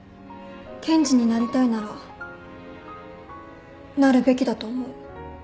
検事になりたいならなるべきだと思う。